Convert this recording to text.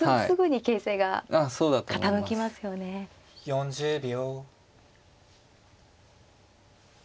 ４０秒。